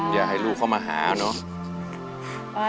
อย่าให้ลูกเข้ามาหา